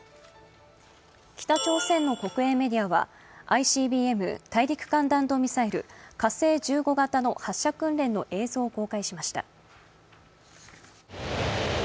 北朝鮮の国営メディアはＩＣＢＭ＝大陸間弾道ミサイル、火星１５型の発射訓練の映像を公開しました。